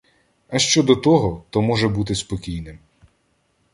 А щодо того, то може бути спокійним.